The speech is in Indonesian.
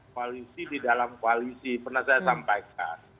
koalisi di dalam koalisi pernah saya sampaikan